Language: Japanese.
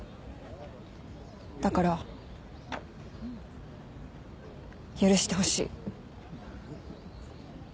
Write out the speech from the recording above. だから許してほしい。